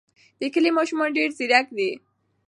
د کلي ماشومان ډېر ځیرک دي.